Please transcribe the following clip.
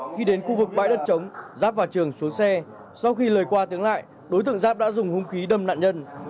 khi đến khu vực bãi đất trống giáp và trường xuống xe sau khi lời qua tiếng lại đối tượng giáp đã dùng húng khí đâm nạn nhân